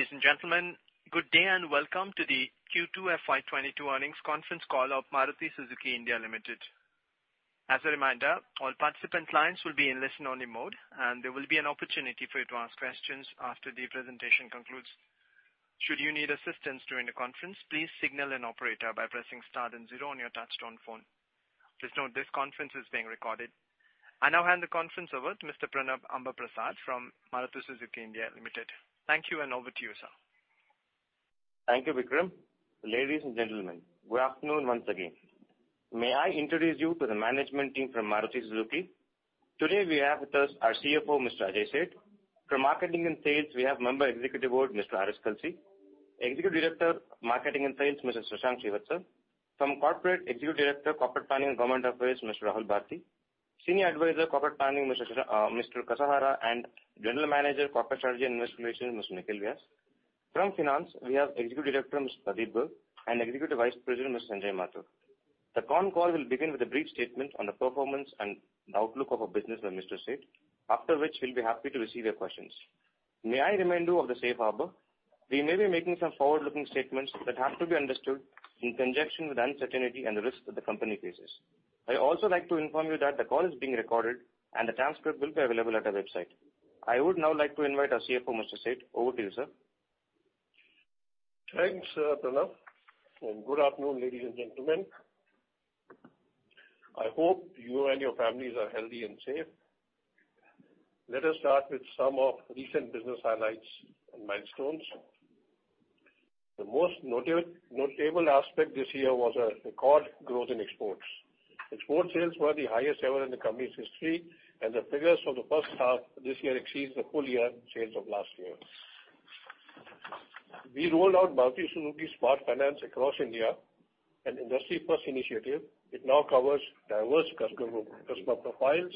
Ladies and gentlemen, good day, and welcome to the Q2 FY 2022 earnings conference call of Maruti Suzuki India Limited. As a reminder, all participant lines will be in listen only mode, and there will be an opportunity for you to ask questions after the presentation concludes. Should you need assistance during the conference, please signal an operator by pressing star then zero on your touchtone phone. Please note this conference is being recorded. I now hand the conference over to Mr. Pranav Ambaprasad from Maruti Suzuki India Limited. Thank you, and over to you, sir. Thank you, Vikram. Ladies and gentlemen, good afternoon once again. May I introduce you to the management team from Maruti Suzuki. Today we have with us our CFO, Mr. Ajay Seth. From marketing and sales, we have Member, Executive Board, Mr. R.S. Kalsi. Executive Director, Marketing and Sales, Mr. Shashank Srivastava. From corporate, Executive Director, Corporate Planning and Government Affairs, Mr. Rahul Bharti. Senior Advisor, Corporate Planning, Mr. K. Kasahara, and General Manager, Corporate Strategy and Investor Relations, Mr. Nikhil Vyas. From finance, we have Executive Director, Mr. Pradeep Garg, and Executive Vice President, Mr. Sanjay Mathur. The con call will begin with a brief statement on the performance and the outlook of our business by Mr. Seth, after which we'll be happy to receive your questions. May I remind you of the safe harbor. We may be making some forward-looking statements that have to be understood in conjunction with the uncertainty and the risks that the company faces. I also like to inform you that the call is being recorded, and the transcript will be available at our website. I would now like to invite our CFO, Mr. Seth. Over to you, sir. Thanks, Pranav, and good afternoon, ladies and gentlemen. I hope you and your families are healthy and safe. Let us start with some of recent business highlights and milestones. The most notable aspect this year was a record growth in exports. Export sales were the highest ever in the company's history, and the figures for the first half of this year exceeds the full year sales of last year. We rolled out Maruti Suzuki Smart Finance across India, an industry-first initiative. It now covers diverse customer group, customer profiles.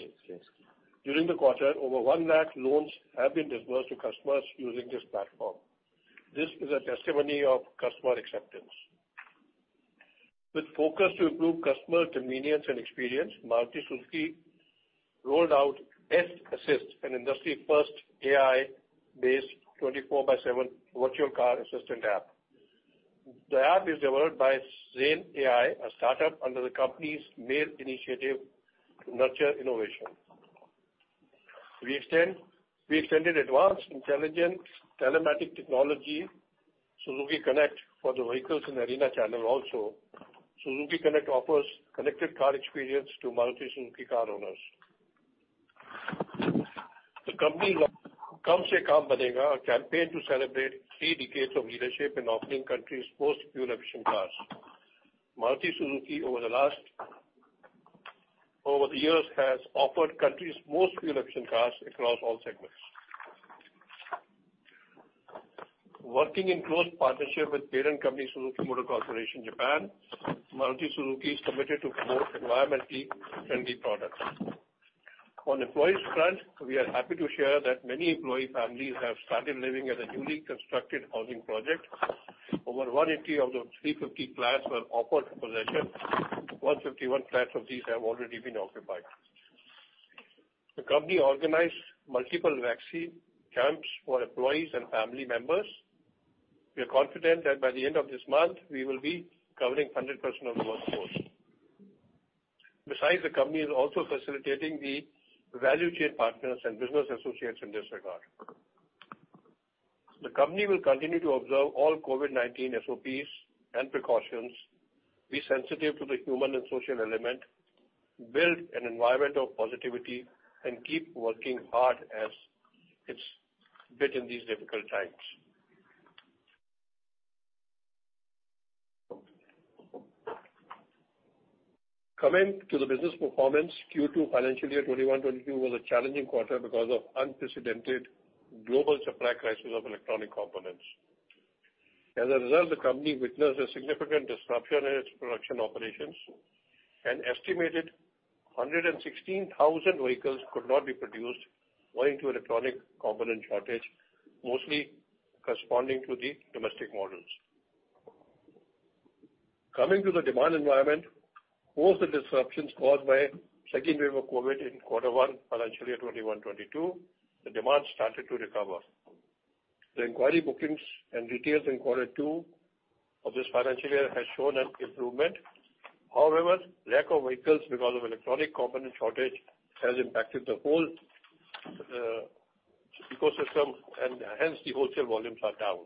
During the quarter, over 1 lakh loans have been disbursed to customers using this platform. This is a testimony of customer acceptance. With focus to improve customer convenience and experience, Maruti Suzuki rolled out S-Assist, an industry-first AI-based 24x7 virtual car assistant app. The app is developed by Xane AI, a start-up under the company's MAIL initiative to nurture innovation. We extended advanced intelligent telematics technology, Suzuki Connect, for the vehicles in ARENA channel also. Suzuki Connect offers connected car experience to Maruti Suzuki car owners. The company launched Kam Se Kaam Banega, a campaign to celebrate three decades of leadership in offering country's most fuel-efficient cars. Maruti Suzuki over the years has offered country's most fuel-efficient cars across all segments. Working in close partnership with parent company, Suzuki Motor Corporation, Japan, Maruti Suzuki is committed to promote environmentally friendly products. On employees front, we are happy to share that many employee families have started living at a newly constructed housing project. Over 180 of those 350 plots were offered for possession. 151 plots of these have already been occupied. The company organized multiple vaccine camps for employees and family members. We are confident that by the end of this month, we will be covering 100% of the workforce. Besides, the company is also facilitating the value chain partners and business associates in this regard. The company will continue to observe all COVID-19 SOPs and precautions, be sensitive to the human and social element, build an environment of positivity, and keep working hard as it's been in these difficult times. Coming to the business performance, Q2 FY 2021-2022 was a challenging quarter because of unprecedented global supply crisis of electronic components. As a result, the company witnessed a significant disruption in its production operations. An estimated 116,000 vehicles could not be produced owing to electronic component shortage, mostly corresponding to the domestic models. Coming to the demand environment, post the disruptions caused by second wave of COVID in quarter one, financial year 2021-22, the demand started to recover. The inquiry bookings and retails in quarter two of this financial year has shown an improvement. However, lack of vehicles because of electronic component shortage has impacted the whole ecosystem and hence the wholesale volumes are down.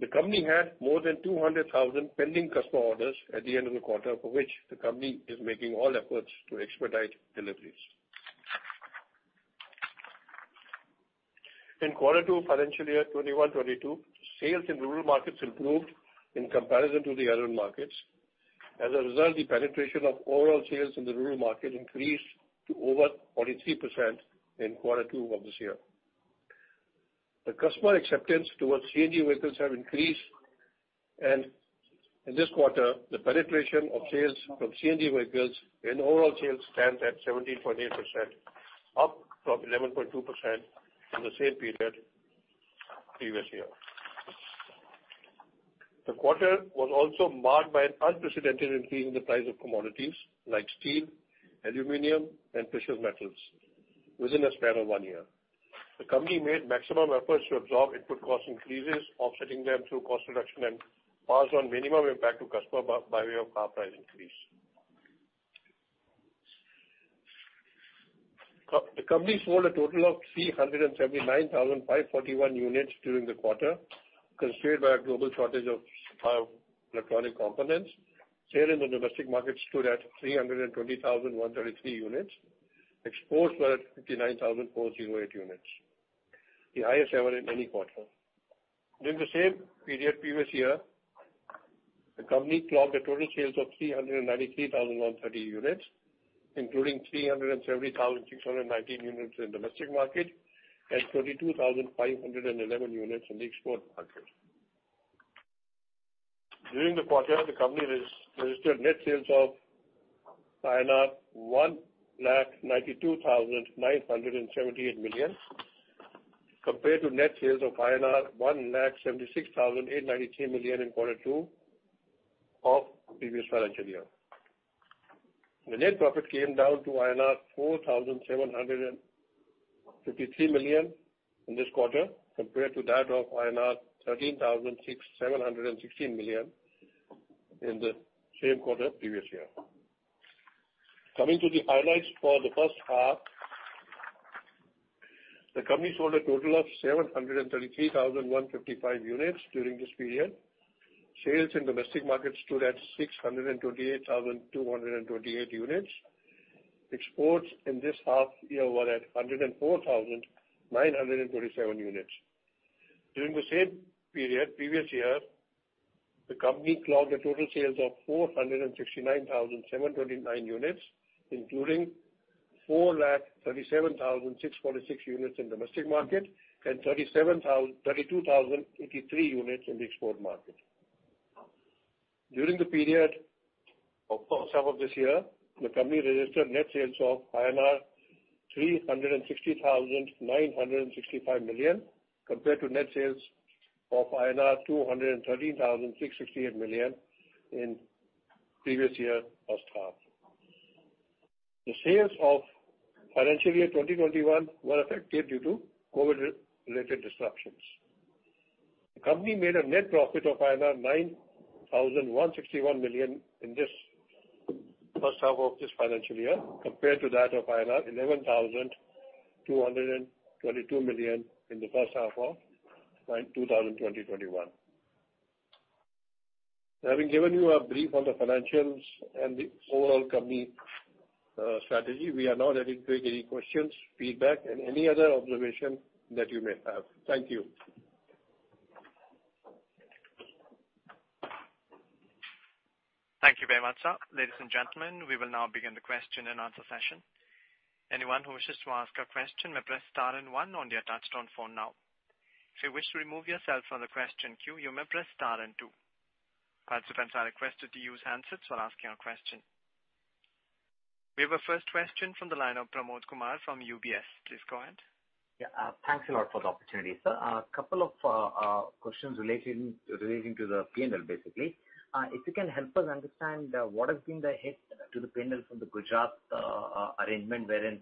The company had more than 200,000 pending customer orders at the end of the quarter, for which the company is making all efforts to expedite deliveries. In quarter two, financial year 2021-2022, sales in rural markets improved in comparison to the urban markets. As a result, the penetration of overall sales in the rural market increased to over 43% in quarter two of this year. The customer acceptance towards CNG vehicles have increased, and in this quarter, the penetration of sales from CNG vehicles in overall sales stands at 17.8%, up from 11.2% in the same period previous year. The quarter was also marked by an unprecedented increase in the price of commodities like steel, aluminum and precious metals within a span of one year. The company made maximum efforts to absorb input cost increases, offsetting them through cost reduction and pass on minimum impact to customer by way of car price increase. The company sold a total of 379,541 units during the quarter, constrained by a global shortage of electronic components. Sales in the domestic market stood at 320,133 units. Exports were at 59,408 units, the highest ever in any quarter. During the same period previous year, the company clocked total sales of 393,130 units, including 370,619 units in domestic market and 22,511 units in the export market. During the quarter, the company registered net sales of 192,978 million compared to net sales of 176,893 million in quarter two of previous financial year. The net profit came down to INR 4,753 million in this quarter compared to that of INR 13,676 million in the same quarter previous year. Coming to the highlights for the first half, the company sold a total of 733,155 units during this period. Sales in domestic market stood at 628,228 units. Exports in this half year were at 104,947 units. During the same period previous year, the company clocked the total sales of 469,729 units, including 437,646 units in domestic market, and 32,083 units in the export market. During the period of first half of this year, the company registered net sales of INR 360,965 million compared to net sales of INR 213,668 million in previous year first half. The sales of financial year 2021 were affected due to COVID-related disruptions. The company made a net profit of 9,161 million in this first half of this financial year, compared to that of 11,222 million in the first half of 2021. Having given you a brief on the financials and the overall company strategy, we are now ready to take any questions, feedback and any other observation that you may have. Thank you. Thank you very much, sir. Ladies and gentlemen, we will now begin the question-and-answer session. Anyone who wishes to ask a question may press star and one on their touchtone phone now. If you wish to remove yourself from the question queue, you may press star and two. Participants are requested to use handsets while asking a question. We have our first question from the line of Pramod Kumar from UBS. Please go ahead. Yeah. Thanks a lot for the opportunity, sir. A couple of questions relating to the P&L, basically. If you can help us understand what has been the hit to the P&L from the Gujarat arrangement wherein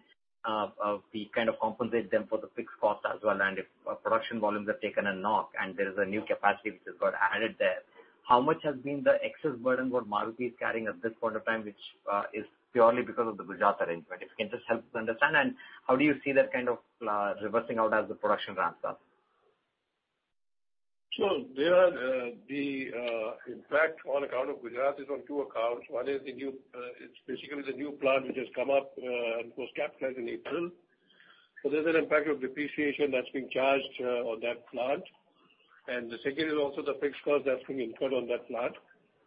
we kind of compensate them for the fixed cost as well. If production volumes have taken a knock and there is a new capacity which has got added there, how much has been the excess burden what Maruti is carrying at this point of time, which is purely because of the Gujarat arrangement? If you can just help us understand. How do you see that kind of reversing out as the production ramps up? Sure. The impact on account of Gujarat is on two accounts. One is basically the new plant which has come up and was capitalized in April. There's an impact of depreciation that's being charged on that plant. The second is also the fixed cost that's been incurred on that plant.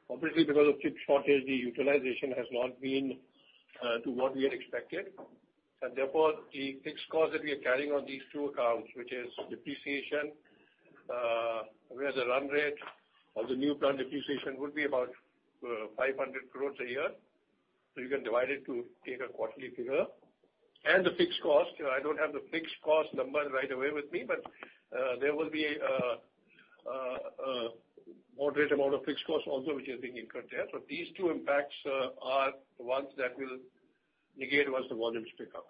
Obviously, because of chip shortage, the utilization has not been to what we had expected. Therefore, the fixed cost that we are carrying on these two accounts, which is depreciation, where the run rate of the new plant depreciation would be about 500 crore a year. You can divide it to take a quarterly figure. The fixed cost, I don't have the fixed cost number right away with me, but there will be a moderate amount of fixed cost also which is being incurred there. These two impacts are ones that will negate once the volumes pick up.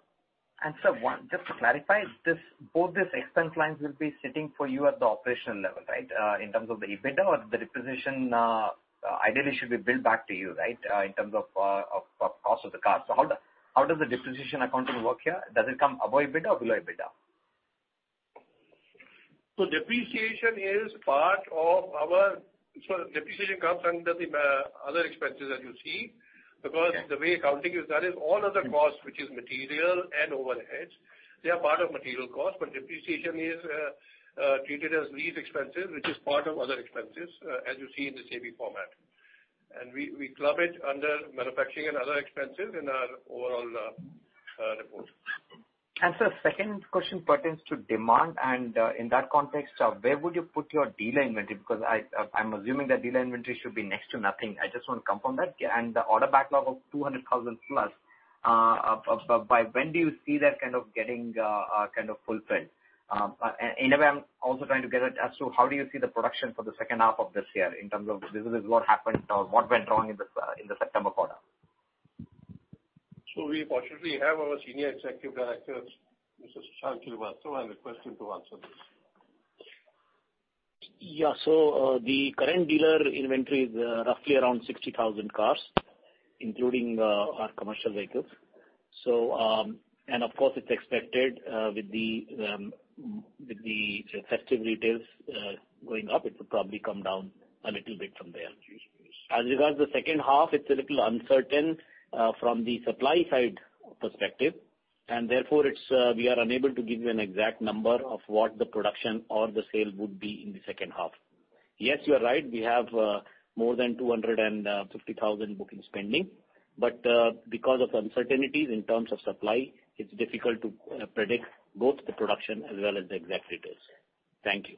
Sir, just to clarify, this, both these expense lines will be sitting for you at the operational level, right? In terms of the EBITDA or the depreciation, ideally should be billed back to you, right? In terms of of cost of the car. How does the depreciation accounting work here? Does it come above EBITDA or below EBITDA? Depreciation comes under the other expenses that you see. Okay. Because the way accounting is done is all other costs, which is material and overheads, they are part of material cost. But depreciation is treated as lease expenses, which is part of other expenses, as you see in this AB format. We club it under manufacturing and other expenses in our overall report. Sir, second question pertains to demand. In that context, where would you put your dealer inventory? Because I'm assuming that dealer inventory should be next to nothing. I just want to confirm that. The order backlog of 200,000+, by when do you see that kind of getting kind of fulfilled? Maybe I'm also trying to get at as to how do you see the production for the second half of this year in terms of this is what happened or what went wrong in the September quarter. We fortunately have our Senior Executive Director, Mr. Shashank Srivastava. I request him to answer this. Yeah. The current dealer inventory is roughly around 60,000 cars, including our commercial vehicles. Of course, it's expected with the festive retail going up, it will probably come down a little bit from there. As regards the second half, it's a little uncertain from the supply side perspective, and therefore we are unable to give you an exact number of what the production or the sale would be in the second half. Yes, you are right, we have more than 250,000 bookings pending, but because of uncertainties in terms of supply, it's difficult to predict both the production as well as the exact retail. Thank you.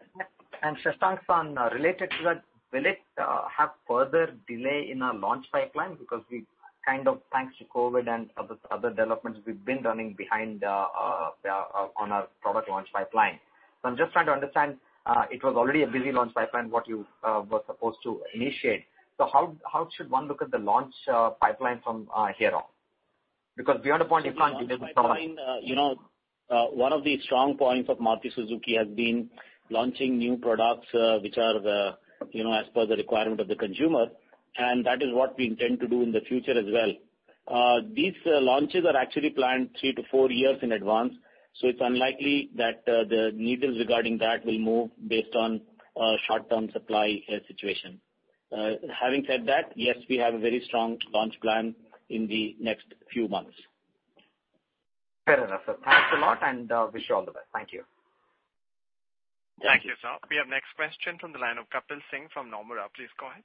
Shashank, sir, related to that, will it have further delay in our launch pipeline? Because we kind of, thanks to COVID and other developments, we've been running behind on our product launch pipeline. I'm just trying to understand, it was already a busy launch pipeline, what you were supposed to initiate. How should one look at the launch pipeline from here on? Because beyond a point you can't delay the product. You know, one of the strong points of Maruti Suzuki has been launching new products, which are the, you know, as per the requirement of the consumer, and that is what we intend to do in the future as well. These launches are actually planned three to four years in advance, so it's unlikely that the needles regarding that will move based on short-term supply situation. Having said that, yes, we have a very strong launch plan in the next few months. Fair enough, sir. Thanks a lot, and wish you all the best. Thank you. Thank you, sir. We have next question from the line of Kapil Singh from Nomura. Please go ahead.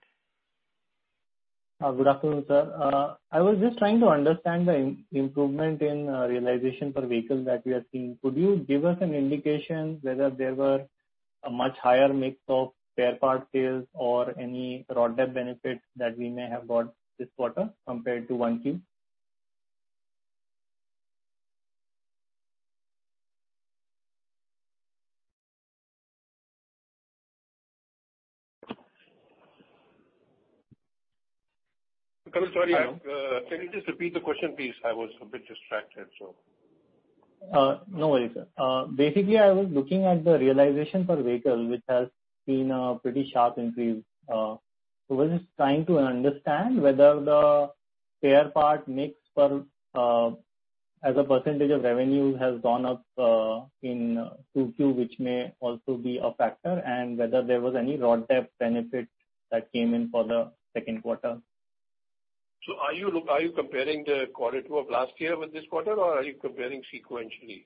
Good afternoon, sir. I was just trying to understand the improvement in realization per vehicle that we are seeing. Could you give us an indication whether there were a much higher mix of spare part sales or any raw material benefits that we may have got this quarter compared to Q1? Kapil, sorry. Can you just repeat the question, please? I was a bit distracted, so. No worries, sir. Basically, I was looking at the realization per vehicle, which has seen a pretty sharp increase. I was just trying to understand whether the spare part mix per, as a percentage of revenue has gone up, in 2Q, which may also be a factor, and whether there was any raw material benefit that came in for the second quarter. Are you comparing the quarter two of last year with this quarter, or are you comparing sequentially?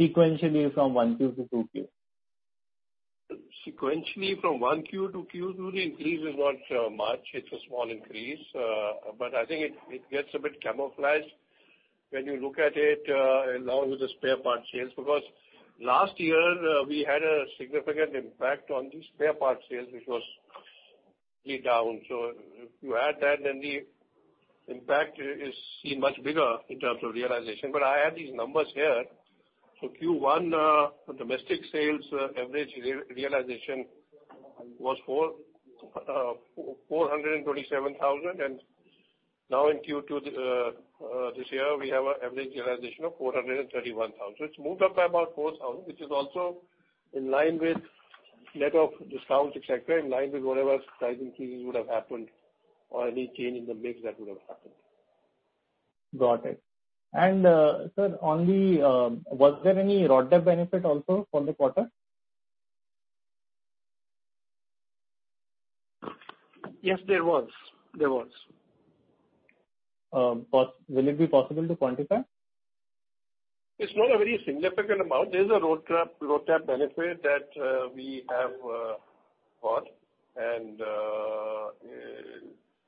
Sequentially from 1Q to 2Q. Sequentially from Q1 to Q2, the increase is not much. It's a small increase. I think it gets a bit camouflaged when you look at it along with the spare parts sales. Because last year, we had a significant impact on the spare parts sales, which was really down. If you add that, then the impact is seen much bigger in terms of realization. I have these numbers here. Q1 domestic sales average realization was 427,000. Now in Q2 this year, we have an average realization of 431,000. It's moved up by about 4,000, which is also in line with net of discounts, et cetera, in line with whatever pricing changes would have happened or any change in the mix that would have happened. Got it. Sir, on that, was there any RoDTEP benefit also for the quarter? Yes, there was. Will it be possible to quantify? It's not a very significant amount. There's a road trap benefit that we have got.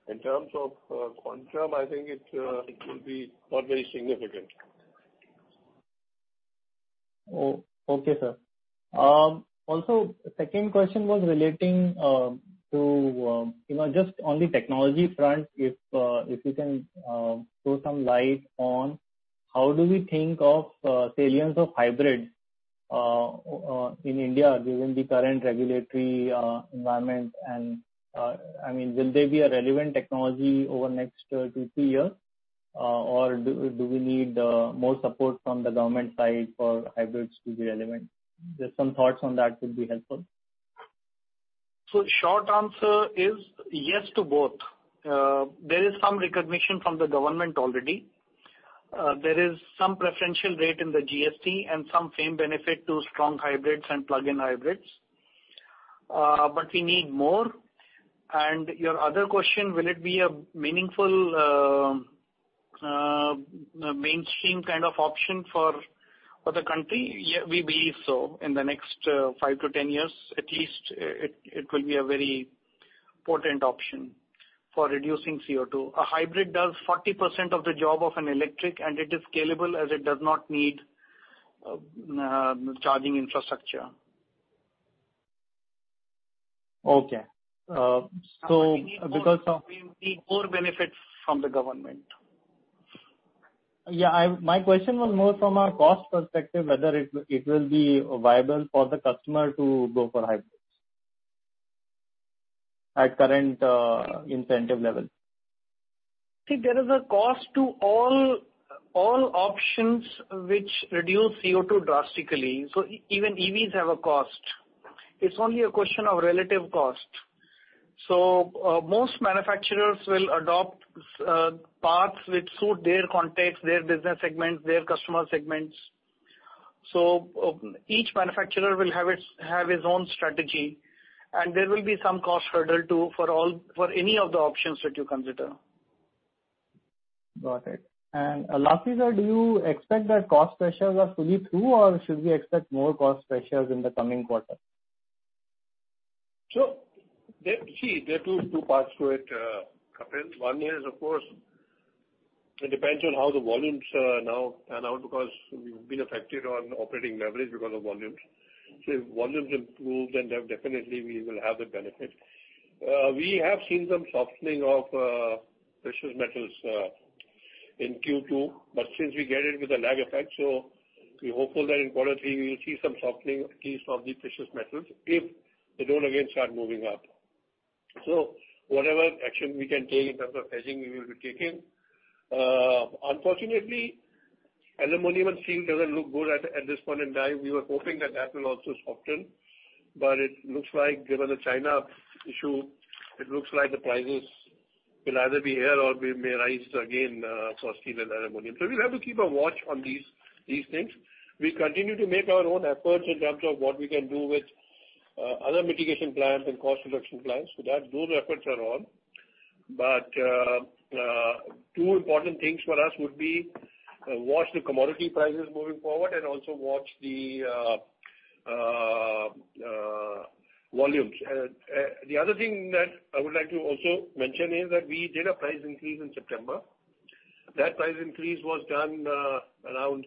In terms of quantum, I think it will be not very significant. Oh, okay, sir. Also second question was relating to you know just on the technology front, if you can throw some light on how do we think of salience of hybrid in India given the current regulatory environment? I mean, will they be a relevant technology over next two to three years? Or do we need more support from the government side for hybrids to be relevant? Just some thoughts on that would be helpful. Short answer is yes to both. There is some recognition from the government already. There is some preferential rate in the GST and some fringe benefit to strong hybrids and plug-in hybrids. We need more. Your other question, will it be a meaningful mainstream kind of option for the country? Yeah, we believe so. In the next five to 10 years at least, it will be a very potent option for reducing CO2. A hybrid does 40% of the job of an electric, and it is scalable as it does not need charging infrastructure. Okay. Because of We need more benefits from the government. Yeah, my question was more from a cost perspective, whether it will be viable for the customer to go for hybrids at current incentive level. See, there is a cost to all options which reduce CO2 drastically. Even EVs have a cost. It's only a question of relative cost. Most manufacturers will adopt paths which suit their context, their business segments, their customer segments. Each manufacturer will have his own strategy, and there will be some cost hurdle too for all, for any of the options that you consider. Got it. Lastly, sir, do you expect that cost pressures are fully through, or should we expect more cost pressures in the coming quarter? There are two parts to it, Kapil. One is of course it depends on how the volumes now pan out because we've been affected on operating leverage because of volumes. If volumes improve, then definitely we will have the benefit. We have seen some softening of precious metals in Q2, but since we get it with a lag effect, so we're hopeful that in Q3 we will see some softening, at least of the precious metals, if they don't again start moving up. Whatever action we can take in terms of hedging we will be taking. Unfortunately, aluminum and steel doesn't look good at this point in time. We were hoping that that will also soften. It looks like given the China issue, it looks like the prices will either be here or may rise again for steel and aluminum. We'll have to keep a watch on these things. We continue to make our own efforts in terms of what we can do with other mitigation plans and cost reduction plans. Those efforts are on. Two important things for us would be watch the commodity prices moving forward and also watch the volumes. The other thing that I would like to also mention is that we did a price increase in September. That price increase was done around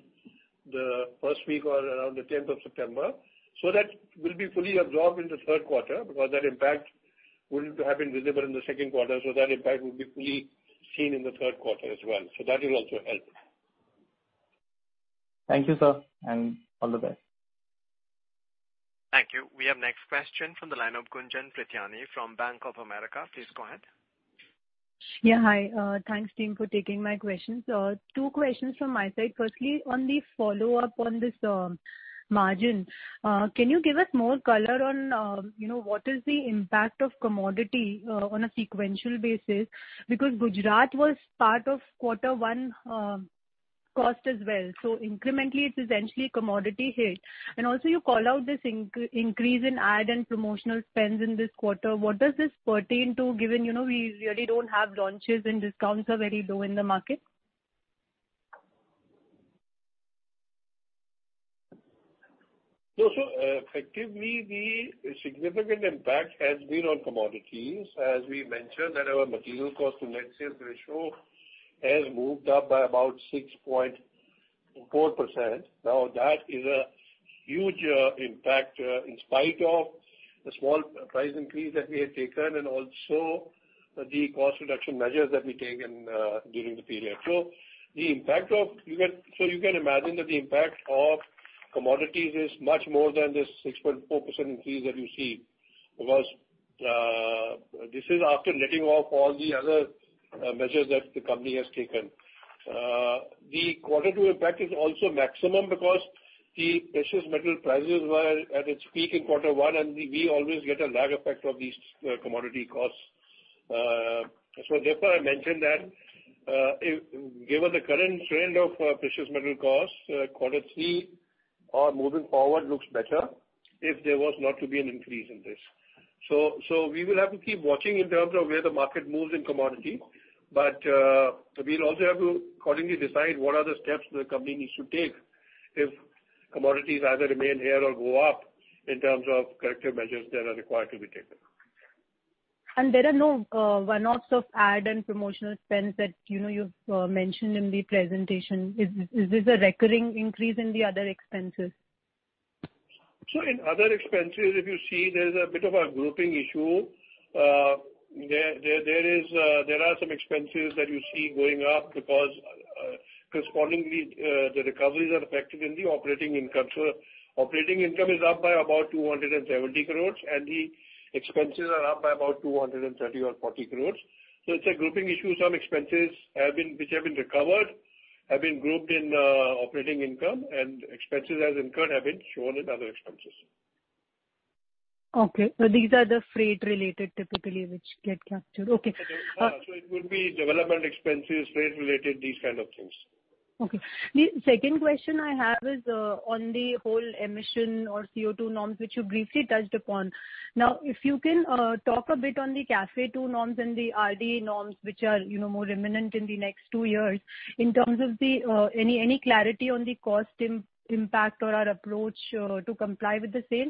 the first week or around the September 10th, 2021. That will be fully absorbed in the third quarter because that impact wouldn't have been visible in the second quarter, so that impact will be fully seen in the third quarter as well. That will also help. Thank you, sir, and all the best. Thank you. We have next question from the line of Gunjan Prithyani from Bank of America. Please go ahead. Yeah, hi. Thanks team for taking my questions. Two questions from my side. Firstly, on the follow-up on this, margin, can you give us more color on, you know, what is the impact of commodity, on a sequential basis? Because Gujarat was part of quarter one, cost as well. Incrementally it's essentially commodity hit. You call out this increase in ad and promotional spends in this quarter. What does this pertain to given, you know, we really don't have launches and discounts are very low in the market? No. Effectively, the significant impact has been on commodities. As we mentioned that our material cost to net sales ratio has moved up by about 6.4%. Now, that is a huge impact in spite of the small price increase that we have taken and also the cost reduction measures that we've taken during the period. You can imagine that the impact of commodities is much more than this 6.4% increase that you see, because this is after offsetting all the other measures that the company has taken. The quarter two impact is also maximum because the precious metal prices were at its peak in quarter one, and we always get a lag effect of these commodity costs. Therefore, I mentioned that, given the current trend of precious metal costs, quarter three or moving forward looks better if there was not to be an increase in this. We will have to keep watching in terms of where the market moves in commodity. We'll also have to accordingly decide what are the steps the company needs to take if commodities either remain here or go up in terms of corrective measures that are required to be taken. There are no one-offs of ad and promotional spends that, you know, you've mentioned in the presentation. Is this a recurring increase in the other expenses? In other expenses, if you see there's a bit of a grouping issue, there are some expenses that you see going up because correspondingly the recoveries are effective in the operating income. Operating income is up by about 270 crores, and the expenses are up by about 230 or 240 crores. It's a grouping issue. Some expenses, which have been recovered, have been grouped in operating income, and expenses as incurred have been shown as other expenses. Okay. These are the freight related typically which get captured. Okay. Yeah. It would be development expenses, freight related, these kind of things. Okay. The second question I have is on the whole emission or CO2 norms, which you briefly touched upon. Now, if you can talk a bit on the CAFE II norms and the RDE norms, which are, you know, more imminent in the next two years in terms of the any clarity on the cost impact or approach to comply with the same.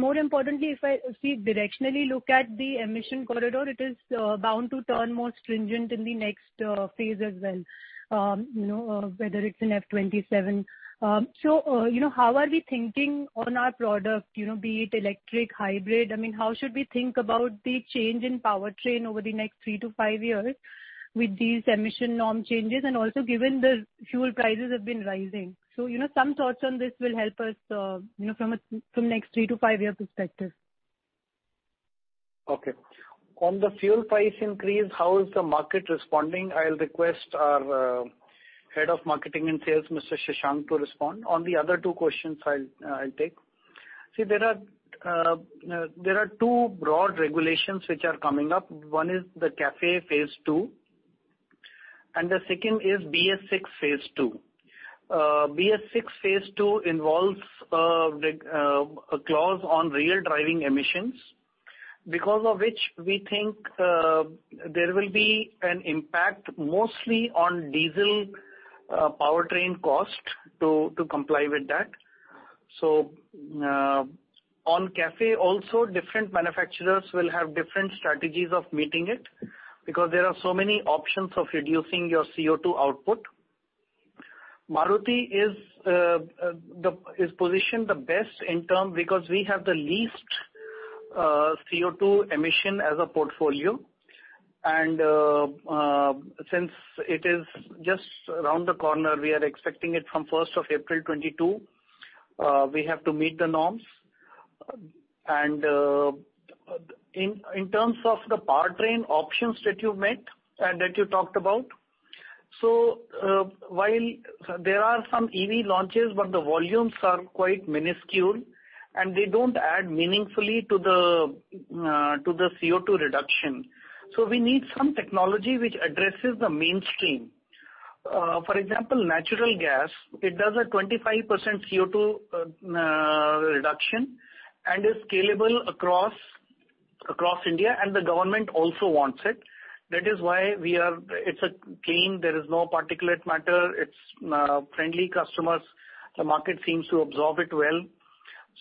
More importantly, if we directionally look at the emission corridor, it is bound to turn more stringent in the next phase as well, you know, whether it's in FY 2027. You know, how are we thinking on our product, you know, be it electric, hybrid? I mean, how should we think about the change in powertrain over the next three to five years with these emission norm changes? Also given the fuel prices have been rising. You know, some thoughts on this will help us, you know, from the next three- to five-year perspective. Okay. On the fuel price increase, how is the market responding? I'll request our head of marketing and sales, Mr. Shashank, to respond. On the other two questions, I'll take. See, there are two broad regulations which are coming up. One is the CAFE phase II, and the second is BS VI phase II. BS VI phase II involves a clause on real driving emissions, because of which we think there will be an impact mostly on diesel powertrain cost to comply with that. On CAFE also, different manufacturers will have different strategies of meeting it because there are so many options of reducing your CO2 output. Maruti is positioned the best in terms because we have the least CO2 emission as a portfolio. Since it is just around the corner, we are expecting it from April 1st, 2022. We have to meet the norms. In terms of the powertrain options that you've mentioned and that you talked about, while there are some EV launches, but the volumes are quite minuscule, and they don't add meaningfully to the CO2 reduction. We need some technology which addresses the mainstream. For example, natural gas, it does a 25% CO2 reduction and is scalable across India, and the government also wants it. That is why it's a gain. There is no particulate matter. It's customer friendly. The market seems to absorb it well.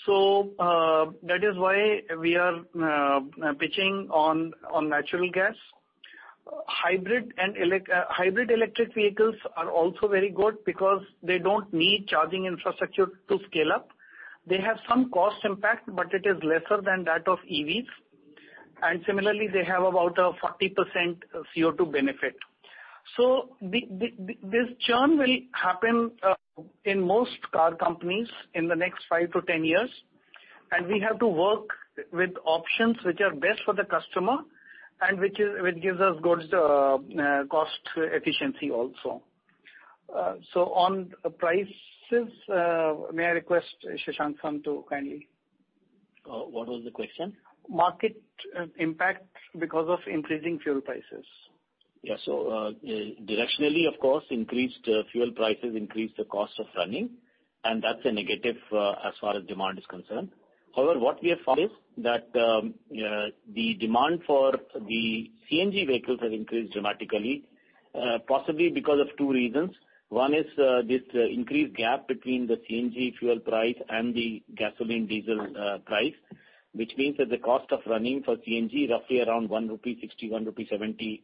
That is why we are pitching on natural gas. Hybrid electric vehicles are also very good because they don't need charging infrastructure to scale up. They have some cost impact, but it is lesser than that of EVs. Similarly, they have about a 40% CO2 benefit. This churn will happen in most car companies in the next five to 10 years, and we have to work with options which are best for the customer and which gives us good cost efficiency also. On prices, may I request Shashank to kindly... What was the question? Market impact because of increasing fuel prices. Yeah. Directionally, of course, increased fuel prices increase the cost of running, and that's a negative as far as demand is concerned. However, what we have found is that the demand for the CNG vehicles has increased dramatically, possibly because of two reasons. One is this increased gap between the CNG fuel price and the petrol and diesel price, which means that the cost of running for CNG is roughly around 1.60-1.70 rupee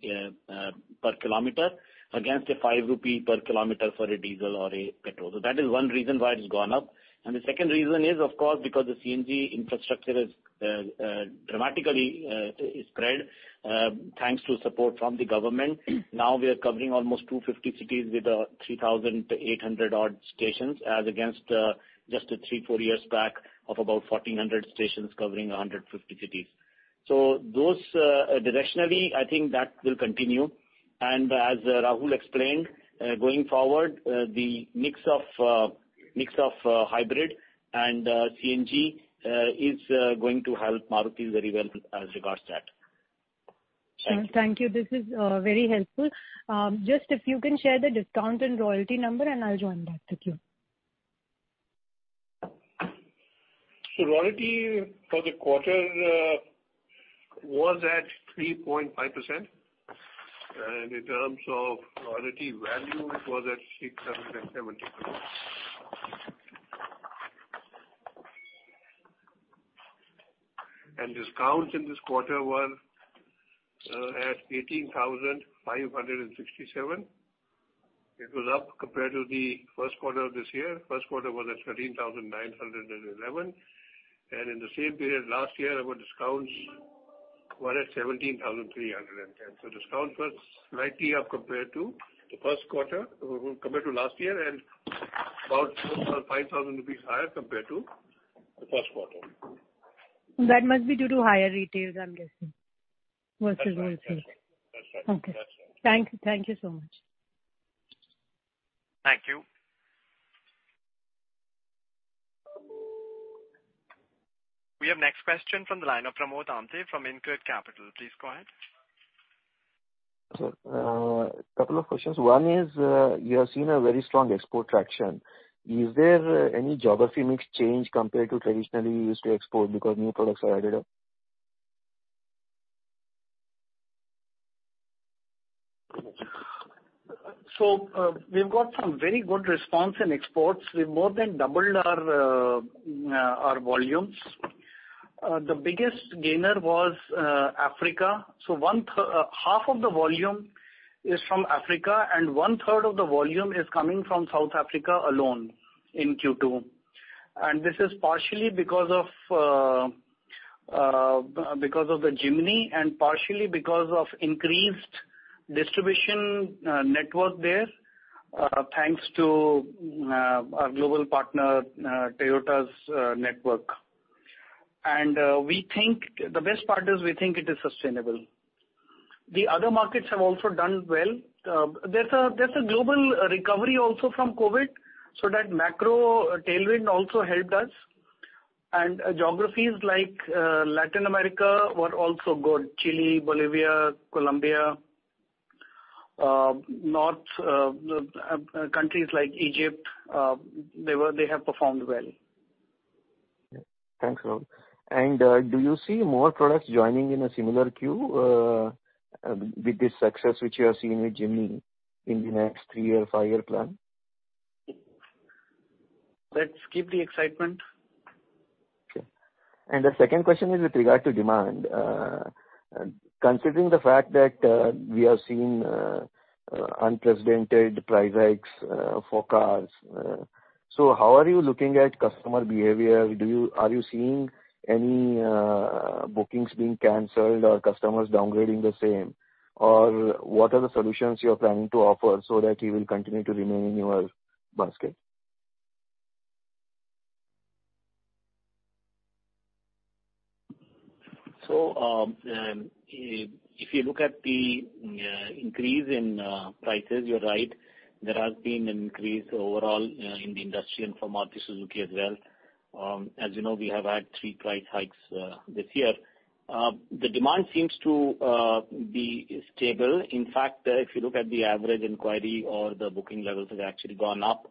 per kilometer against 5 rupee per kilometer for a diesel or a petrol. So that is one reason why it's gone up. The second reason is, of course, because the CNG infrastructure is dramatically spread thanks to support from the government. Now we are covering almost 250 cities with 3,800-odd stations as against just three to four years back of about 1,400 stations covering 150 cities. Those, directionally, I think that will continue. As Rahul explained, going forward, the mix of hybrid and CNG is going to help Maruti very well as regards that. Sure. Thank you. This is very helpful. Just if you can share the discount and royalty number, and I'll join that with you. Royalty for the quarter was at 3.5%. In terms of royalty value, it was at 670 crore. Discounts in this quarter were at 18,567. It was up compared to the first quarter of this year. First quarter was at 13,911. In the same period last year, our discounts were at 17,310. Discount was slightly up compared to the first quarter, compared to last year and about 4,000-5,000 rupees higher compared to the first quarter. That must be due to higher retail, I'm guessing. Versus wholesale. That's right. That's right. Okay. That's right. Thank you. Thank you so much. Thank you. We have next question from the line of Pramod Amthe from InCred Capital. Please go ahead. Sir, a couple of questions. One is, you have seen a very strong export traction. Is there any geography mix change compared to traditionally you used to export because new products are added up? We've got some very good response in exports. We've more than doubled our volumes. The biggest gainer was Africa. Half of the volume is from Africa, and one-third of the volume is coming from South Africa alone in Q2. This is partially because of the Jimny and partially because of increased Distribution network there, thanks to our global partner, Toyota's network. The best part is we think it is sustainable. The other markets have also done well. There's a global recovery also from COVID, so that macro tailwind also helped us. Geographies like Latin America were also good. Chile, Bolivia, Colombia, north countries like Egypt, they have performed well. Thanks, Rahul. Do you see more products joining in a similar queue with this success which you have seen with Jimny in the next three-year, five-year plan? Let's keep the excitement. Okay. The second question is with regard to demand. Considering the fact that we are seeing unprecedented price hikes for cars, how are you looking at customer behavior? Are you seeing any bookings being canceled or customers downgrading the same? Or what are the solutions you're planning to offer so that they will continue to remain in your basket? If you look at the increase in prices, you're right. There has been an increase overall in the industry and for Maruti Suzuki as well. As you know, we have had three price hikes this year. The demand seems to be stable. In fact, if you look at the average inquiry or the booking levels, have actually gone up.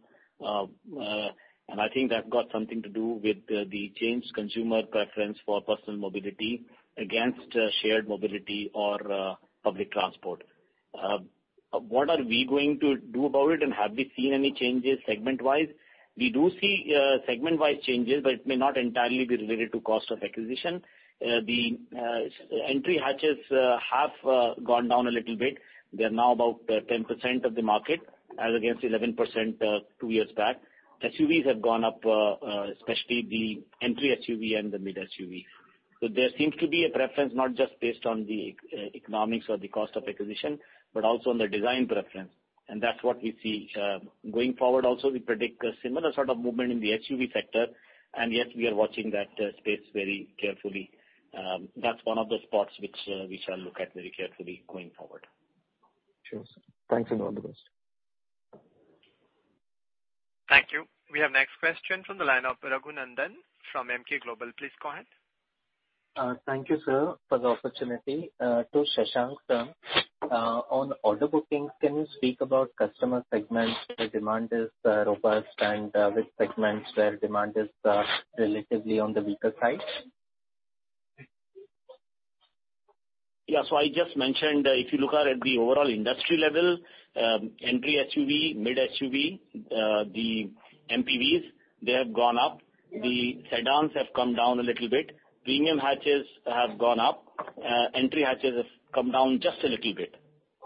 I think that got something to do with the changed consumer preference for personal mobility against shared mobility or public transport. What are we going to do about it and have we seen any changes segment-wise? We do see segment-wise changes, but it may not entirely be related to cost of acquisition. The entry hatches have gone down a little bit. They're now about 10% of the market as against 11%, two years back. SUVs have gone up, especially the entry SUV and the mid SUV. There seems to be a preference not just based on the economics or the cost of acquisition, but also on the design preference, and that's what we see. Going forward also we predict a similar sort of movement in the SUV sector, yes, we are watching that space very carefully. That's one of the spots which we shall look at very carefully going forward. Sure, sir. Thanks, and all the best. Thank you. We have next question from the line of Raghunandhan N L from Emkay Global. Please go ahead. Thank you, sir, for the opportunity. To Shashank, sir, on order bookings, can you speak about customer segments where demand is robust and which segments where demand is relatively on the weaker side? Yeah. I just mentioned, if you look at the overall industry level, entry SUV, mid SUV, the MPVs, they have gone up. The sedans have come down a little bit. Premium hatches have gone up. Entry hatches have come down just a little bit.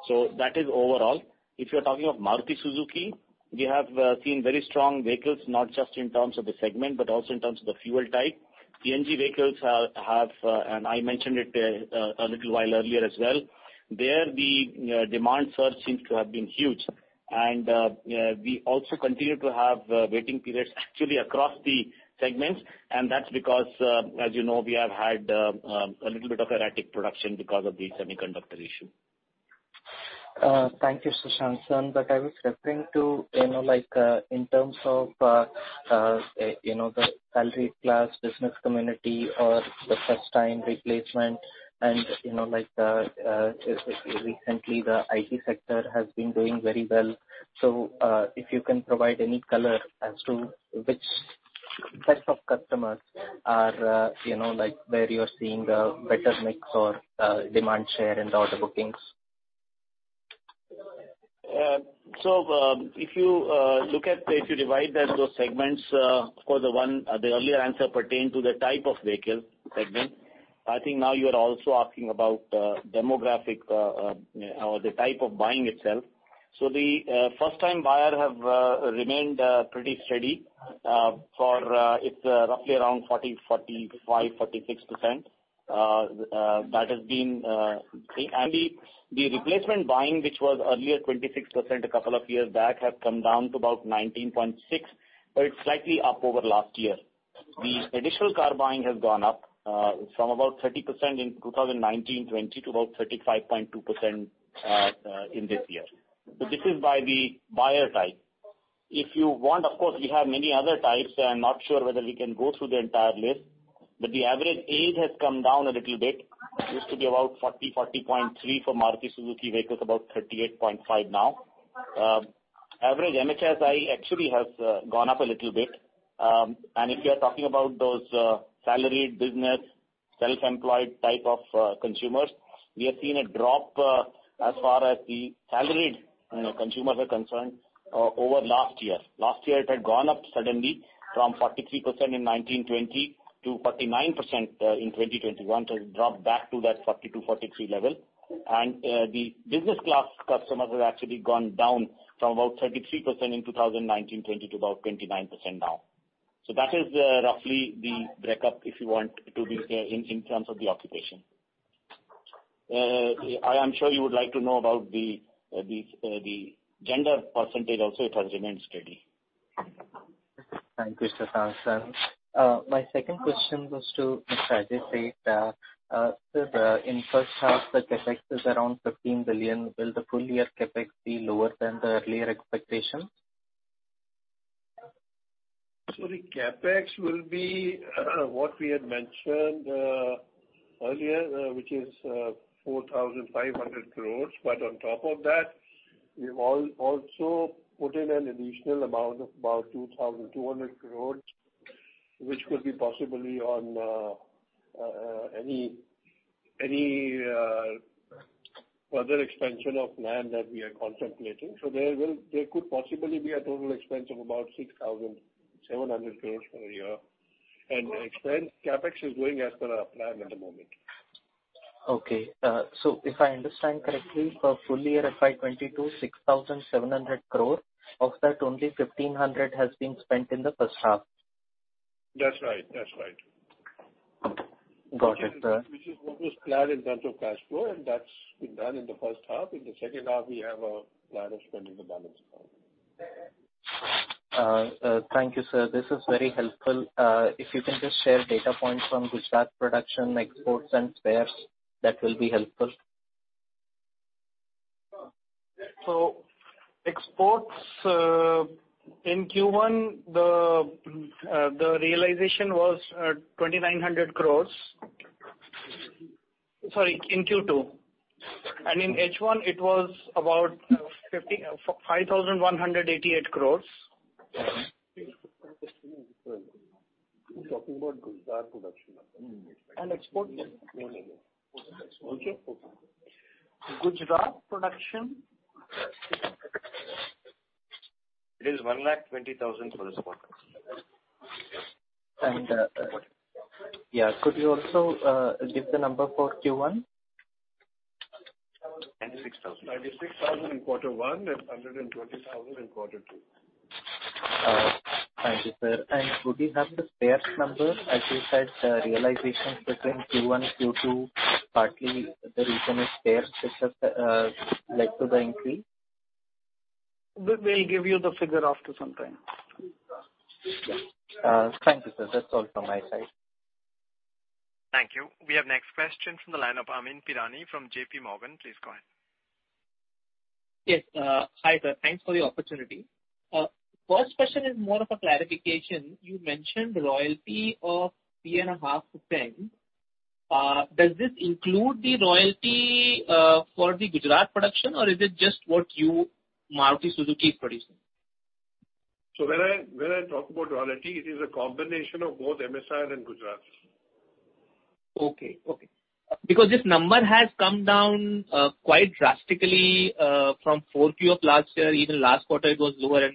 That is overall. If you're talking of Maruti Suzuki, we have seen very strong vehicles, not just in terms of the segment, but also in terms of the fuel type. CNG vehicles have, and I mentioned it a little while earlier as well. There the demand surge seems to have been huge. We also continue to have waiting periods actually across the segments, and that's because, as you know, we have had a little bit of erratic production because of the semiconductor issue. Thank you, Shashank, sir, but I was referring to, you know, like, in terms of, you know, the salaried class, business community or the first-time replacement and, you know, like, recently the IT sector has been doing very well. So, if you can provide any color as to which sets of customers are, you know, like, where you're seeing a better mix or, demand share in the order bookings. If you divide those segments, of course, the earlier answer pertained to the type of vehicle segment. I think now you are also asking about demographic or the type of buying itself. The first-time buyer have remained pretty steady, it's roughly around 40%, 45%, 46%. That has been the replacement buying, which was earlier 26% a couple of years back, has come down to about 19.6%, but it's slightly up over last year. The additional car buying has gone up from about 30% in 2019, 2020, to about 35.2% in this year. This is by the buyer type. If you want, of course, we have many other types. I'm not sure whether we can go through the entire list, but the average age has come down a little bit. Used to be about 40.3. For Maruti Suzuki vehicles, about 38.5 now. Average MHSI actually has gone up a little bit. If you are talking about those salaried business, self-employed type of consumers, we have seen a drop as far as the salaried consumers are concerned over last year. Last year, it had gone up suddenly from 43% in 2019-2020 to 49% in 2021 to drop back to that 42-43 level. The business class customers have actually gone down from about 33% in 2019-2020 to about 29% now. That is roughly the breakup if you want it to be in terms of the occupation. I am sure you would like to know about the gender percentage also. It has remained steady. Thank you, Mr. Shashank. My second question was to Mr. Ajay Seth. Sir, in first half, the CapEx is around 15 billion. Will the full year CapEx be lower than the earlier expectation? The CapEx will be what we had mentioned earlier, which is 4,500 crores. On top of that, we've also put in an additional amount of about 2,200 crores, which could be possibly on any further expansion of land that we are contemplating. There could possibly be a total expense of about 6,700 crores for the year. Expense CapEx is going as per our plan at the moment. Okay. If I understand correctly, for full year FY 2022, 6,700 crore, of that only 1,500 crore has been spent in the first half. That's right. Got it, sir. Which is what was planned in terms of cash flow, and that's been done in the first half. In the second half, we have a plan of spending the balance now. Thank you, sir. This is very helpful. If you can just share data points from Gujarat production exports and spares, that will be helpful. Exports in Q1, the realization was 2,900 crore. Sorry, in Q2. In H1 it was about 55,188 crore. We're talking about Gujarat production. Export. No, no. Okay. Gujarat production. It is 120,000 for this quarter. Yeah, could you also give the number for Q1? 96,000. 96,000 in quarter one and 120,000 in quarter two. Thank you, sir. Would we have the spares number, as you said, realization between Q1 and Q2, partly the reason is spares, which has led to the increase. We'll give you the figure after some time. Thank you, sir. That's all from my side. Thank you. We have next question from the line of Amyn Pirani from JPMorgan. Please go ahead. Yes. Hi, sir. Thanks for the opportunity. First question is more of a clarification. You mentioned royalty of 3.5%-10%. Does this include the royalty for the Gujarat production, or is it just what you, Maruti Suzuki is producing? When I talk about royalty, it is a combination of both MSIL and Gujarat. Okay. Because this number has come down quite drastically from 4Q of last year. Even last quarter it was lower.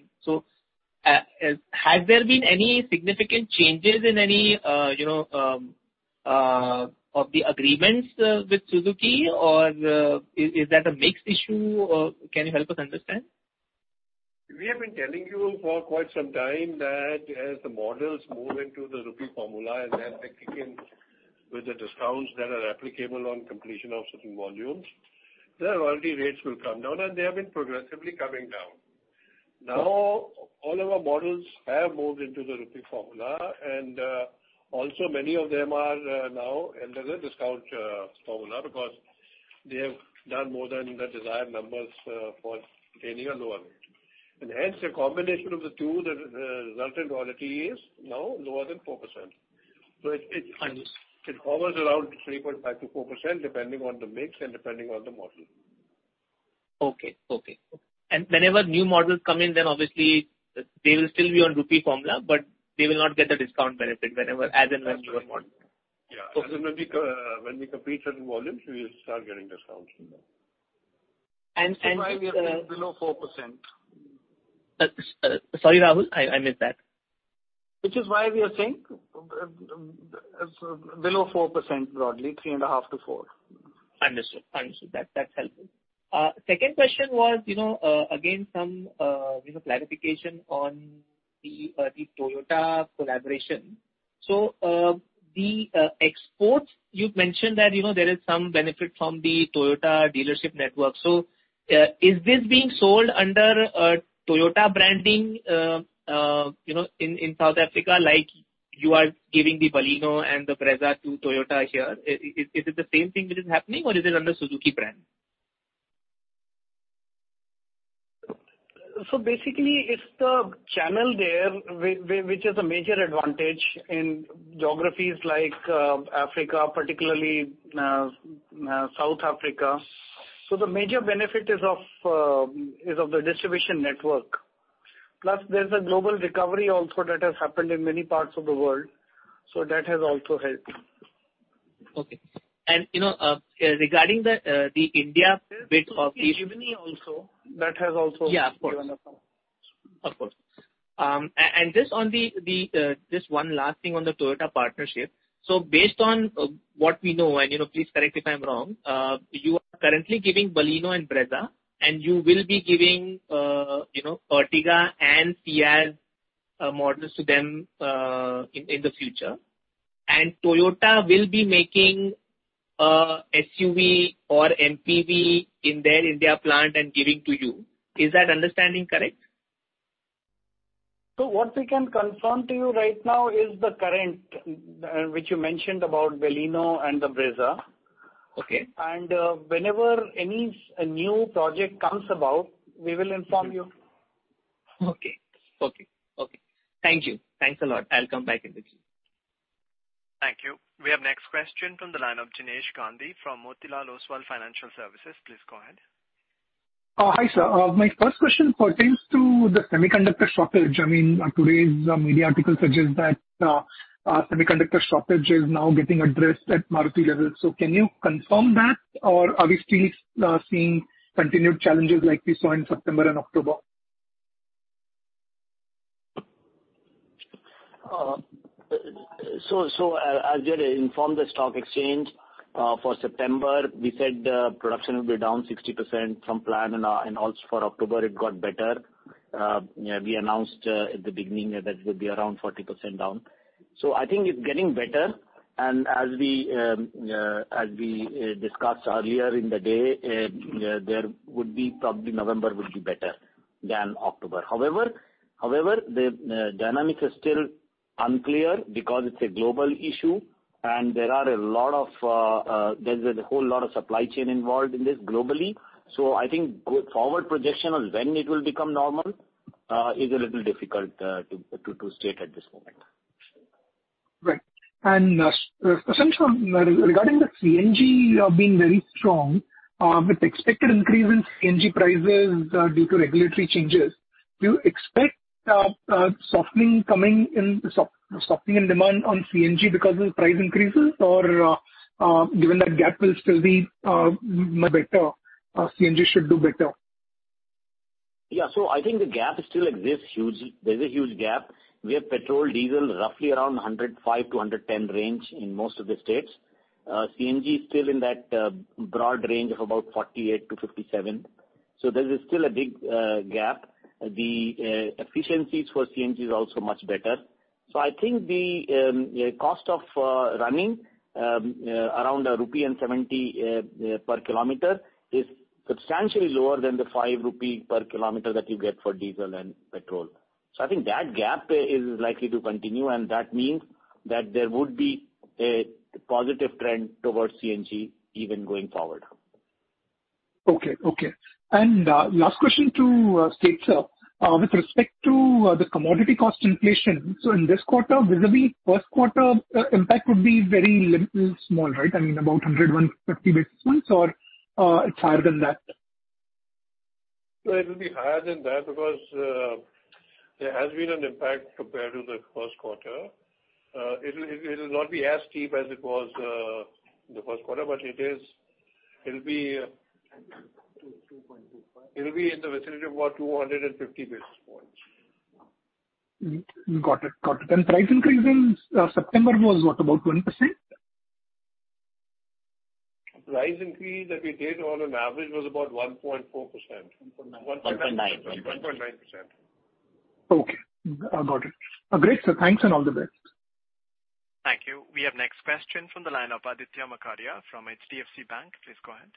Has there been any significant changes in any of the agreements with Suzuki? Or is that a mix issue? Can you help us understand? We have been telling you for quite some time that as the models move into the rupee formula, and then they kick in with the discounts that are applicable on completion of certain volumes, the royalty rates will come down, and they have been progressively coming down. Now, all of our models have moved into the rupee formula, and also many of them are now under the discount formula because they have done more than the desired numbers for gaining a lower rate. Hence a combination of the two, the resultant royalty is now lower than 4%. It hovers. Understood. It hovers around 3.5%-4%, depending on the mix and depending on the model. Whenever new models come in, then obviously they will still be on rupee formula, but they will not get the discount benefit whenever, as and when newer model. Yeah. Okay. When we complete certain volumes, we'll start getting discounts from them. And, and, uh- Which is why we are saying below 4%. Sorry, Rahul, I missed that. Which is why we are saying? Below 4% broadly, 3.5%-4%. Understood. That's helpful. Second question was, you know, again, some, you know, clarification on the Toyota collaboration. So, the exports, you've mentioned that, you know, there is some benefit from the Toyota dealership network. So, is this being sold under a Toyota branding, you know, in South Africa, like you are giving the Baleno and the Brezza to Toyota here. Is it the same thing that is happening or is it under Suzuki brand? Basically it's the channel there which is a major advantage in geographies like Africa, particularly South Africa. The major benefit is of the distribution network. Plus there's a global recovery also that has happened in many parts of the world, so that has also helped. Okay. You know, regarding the India bit of the There's Suzuki Jimny also. That has also. Yeah, of course. Given us some. Of course. And just one last thing on the Toyota partnership. Based on what we know and please correct me if I'm wrong, you are currently giving Baleno and Brezza, and you will be giving Ertiga and Ciaz models to them in the future. Toyota will be making SUV or MPV in their Indian plant and giving to you. Is that understanding correct? What we can confirm to you right now is the current, which you mentioned about Baleno and the Brezza. Okay. Whenever any new project comes about, we will inform you. Okay. Thank you. Thanks a lot. Thank you. We have next question from the line of Jinesh Gandhi from Motilal Oswal Financial Services. Please go ahead. Hi, sir. My first question pertains to the semiconductor shortage. I mean, today's media article suggests that semiconductor shortage is now getting addressed at Maruti level. Can you confirm that? Or are we still seeing continued challenges like we saw in September and October? As we had informed the stock exchange, for September, we said production will be down 60% from plan and also for October it got better. We announced at the beginning that it would be around 40% down. I think it's getting better. As we discussed earlier in the day, November would probably be better than October. However, the dynamic is still unclear because it's a global issue and there's a whole lot of supply chain involved in this globally. I think go-forward projection on when it will become normal is a little difficult to state at this moment. Right. Shashank Srivastava, regarding the CNG being very strong with expected increase in CNG prices due to regulatory changes, do you expect softening coming in, softening in demand on CNG because of price increases? Or, given that gap will still be better, CNG should do better? Yeah. I think the gap still exists hugely. There's a huge gap. We have petrol, diesel roughly around 105-110 range in most of the states. CNG is still in that broad range of about 48-57, so there is still a big gap. The efficiencies for CNG is also much better. I think the cost of running around 1.70 rupee per kilometer is substantially lower than the 5 rupee per kilometer that you get for diesel and petrol. I think that gap is likely to continue, and that means that there would be a positive trend towards CNG even going forward. Okay. Last question to Ajay Seth. With respect to the commodity cost inflation, in this quarter, vis-a-vis first quarter, impact would be very small, right? I mean about 100-150 basis points or it's higher than that? It will be higher than that because there has been an impact compared to the first quarter. It'll not be as steep as it was in the first quarter, but it'll be. 2.25%. It'll be in the vicinity of about 250 basis points. Got it. Price increase in September was what, about 1%? Price increase that we did on an average was about 1.4%. 1.9%. 1.9%. Okay. Got it. Great, sir. Thanks and all the best. Thank you. We have next question from the line of Aditya Makharia from HDFC Securities. Please go ahead.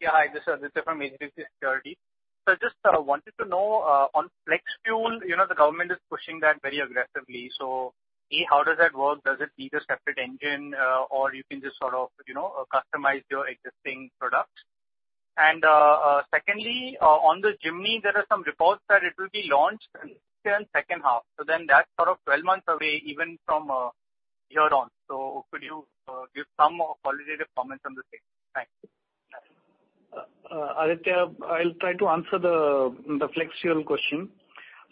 Yeah. Hi, this is Aditya Makharia from HDFC Securities. Just wanted to know on flex fuel, you know, the government is pushing that very aggressively. A, how does that work? Does it need a separate engine, or you can just sort of, you know, customize your existing product? Secondly, on the Jimny, there are some reports that it will be launched in second half. Then that's sort of 12 months away even from here on. Could you give some qualitative comments on the same? Thanks. Aditya, I'll try to answer the flex fuel question.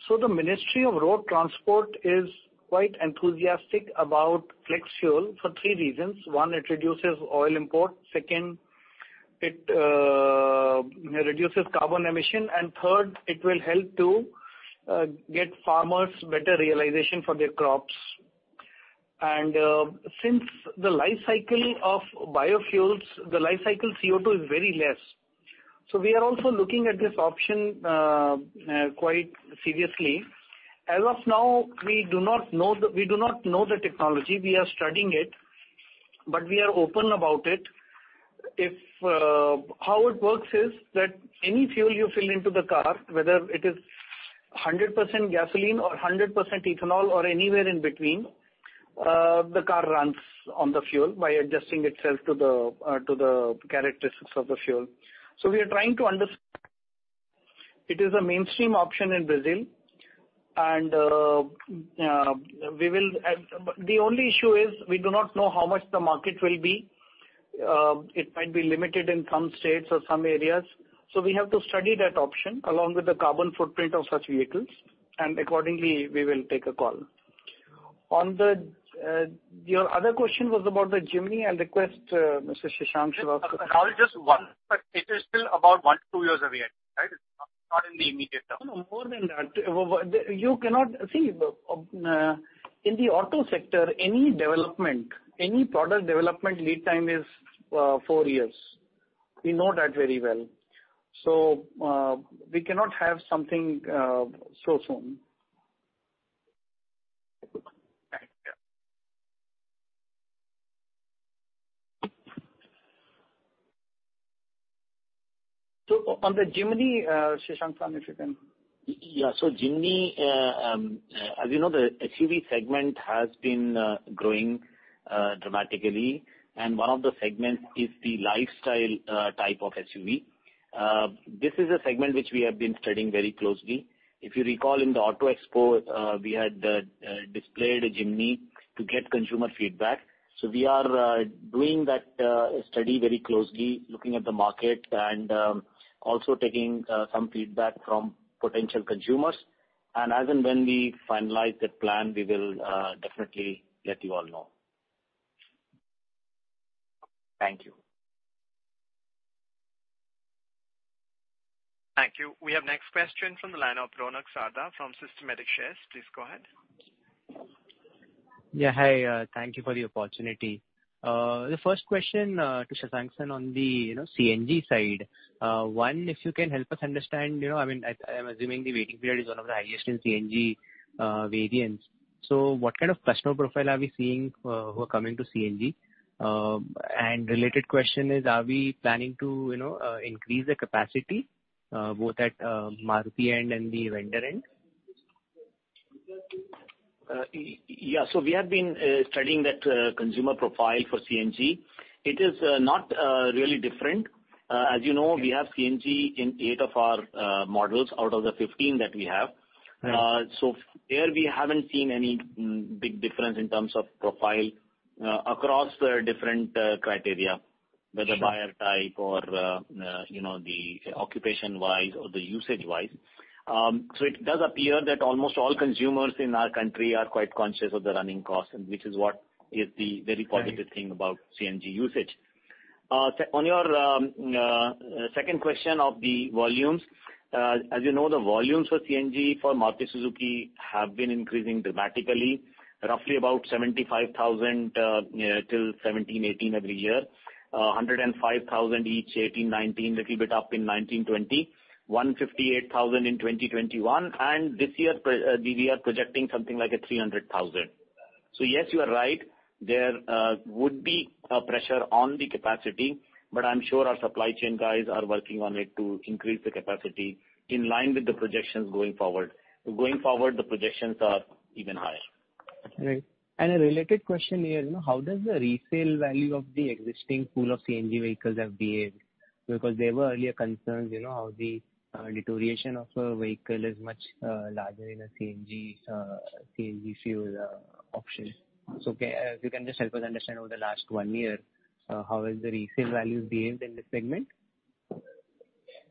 The Ministry of Road Transport is quite enthusiastic about flex fuel for three reasons. One, it reduces oil import. Second, it reduces carbon emission. Third, it will help to get farmers better realization for their crops. Since the life cycle of biofuels, the life cycle CO2 is very less. We are also looking at this option quite seriously. As of now, we do not know the technology. We are studying it, but we are open about it. How it works is that any fuel you fill into the car, whether it is 100% gasoline or 100% ethanol or anywhere in between, the car runs on the fuel by adjusting itself to the characteristics of the fuel. It is a mainstream option in Brazil and the only issue is we do not know how much the market will be. It might be limited in some states or some areas. We have to study that option along with the carbon footprint of such vehicles, and accordingly, we will take a call. On your other question was about the Jimny. I'll request Mr. Shashank Srivastava. Just one, it is still about one to two years away, right? Not in the immediate term. No, more than that. You cannot see, in the auto sector, any development, any product development lead time is four years. We know that very well. We cannot have something so soon. Thanks. Yeah. On the Jimny, Shashank, sir, if you can Yeah. Jimny, as you know, the SUV segment has been growing dramatically, and one of the segments is the lifestyle type of SUV. This is a segment which we have been studying very closely. If you recall in the Auto Expo, we had displayed a Jimny to get consumer feedback. We are doing that study very closely, looking at the market and also taking some feedback from potential consumers. As and when we finalize that plan, we will definitely let you all know. Thank you. Thank you. We have next question from the line of Ronak Sarda from Systematix Shares. Please go ahead. Yeah, hi. Thank you for the opportunity. The first question to Shashank, sir, on the, you know, CNG side. One, if you can help us understand, you know, I mean, I am assuming the waiting period is one of the highest in CNG variants. So what kind of customer profile are we seeing who are coming to CNG? And related question is, are we planning to, you know, increase the capacity both at Maruti end and the vendor end? Yeah. We have been studying that consumer profile for CNG. It is not really different. As you know, we have CNG in eight of our models out of the 15 that we have. Right. There we haven't seen any big difference in terms of profile across the different criteria. Mm-hmm. whether buyer type or, you know, the occupation wise or the usage wise. It does appear that almost all consumers in our country are quite conscious of the running costs, and which is what is the very positive Right. Something about CNG usage. So on your second question of the volumes, as you know, the volumes for CNG for Maruti Suzuki have been increasing dramatically, roughly about 75,000 till 2017-2018 every year. 105,000 each, 2018-19, little bit up in 2019-2020. 158,000 in 2021. And this year we are projecting something like 300,000. Yes, you are right. There would be a pressure on the capacity, but I'm sure our supply chain guys are working on it to increase the capacity in line with the projections going forward. Going forward, the projections are even higher. Right. A related question here, you know, how does the resale value of the existing pool of CNG vehicles have behaved? Because there were earlier concerns, you know, how the deterioration of a vehicle is much larger in a CNG fuel option. If you can just help us understand over the last one year, how has the resale value behaved in this segment?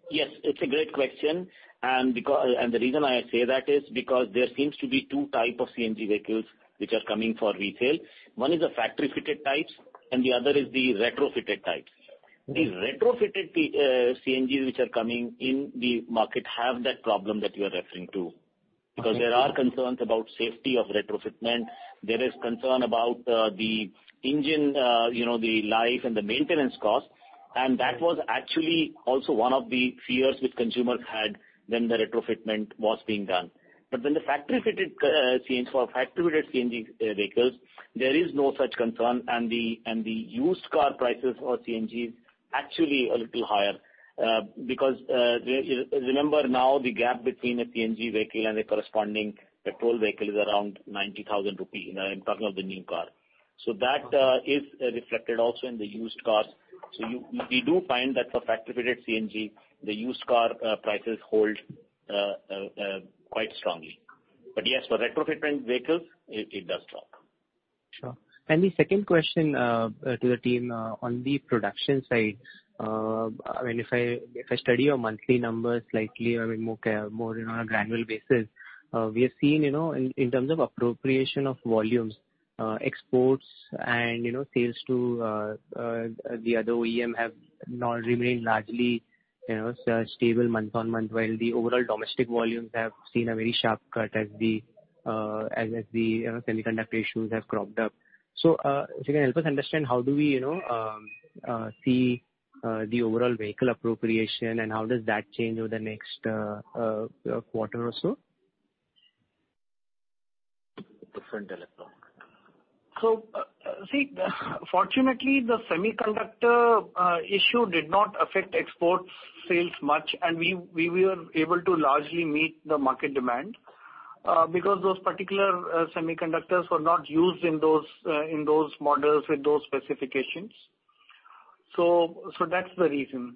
Yes, it's a great question. The reason I say that is because there seems to be two type of CNG vehicles which are coming for resale. One is the factory-fitted types and the other is the retrofitted types. Mm-hmm. The retrofitted CNGs which are coming in the market have that problem that you are referring to. Okay. Because there are concerns about safety of retrofitment. There is concern about, the engine, you know, the life and the maintenance cost. Right. That was actually also one of the fears which consumers had when the retrofitment was being done. When the factory-fitted CNG, for factory-fitted CNG vehicles, there is no such concern. The used car prices for CNG is actually a little higher, because remember now the gap between a CNG vehicle and a corresponding petrol vehicle is around 90,000 rupees in terms of the new car. That is reflected also in the used cars. We do find that for factory-fitted CNG, the used car prices hold quite strongly. Yes, for retrofitment vehicles, it does drop. Sure. The second question to the team on the production side. I mean, if I study your monthly numbers slightly, I mean, more, you know, on a granular basis, we have seen, you know, in terms of appropriation of volumes, exports and, you know, sales to the other OEM have now remained largely, you know, stable month-on-month, while the overall domestic volumes have seen a very sharp cut as the semiconductor issues have cropped up. If you can help us understand how do we, you know, see the overall vehicle appropriation and how does that change over the next quarter or so? Different telephone. Fortunately, the semiconductor issue did not affect export sales much, and we were able to largely meet the market demand because those particular semiconductors were not used in those models with those specifications. That's the reason.